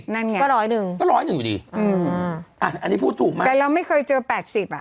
นั่นไงก็ร้อยหนึ่งอืมอันนี้พูดถูกมากแต่เราไม่เคยเจอ๘๐อ่ะ